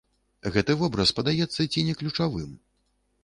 Гэты вобраз падаецца ці не ключавым.